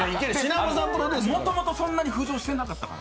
もともとそんなに浮上してなかったから。